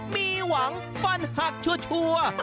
มีหวังฟันหักชัวร์